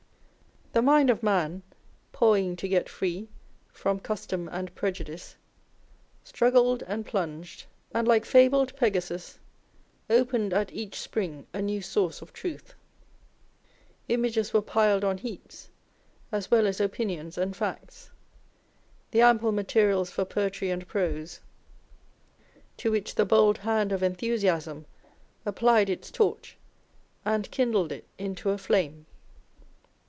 The mind of man, " pawing to get free " from custom and prejudice, struggled and plunged, and like fabled Pegasus, opened at each spring a new source of truth. Images were piled on heaps, as well as opinions and facts, the ample materials for poetry and prose, to which the bold hand On Old English Writers and Speakers. .451 of enthusiasm applied its torch, and kindled it into a flame.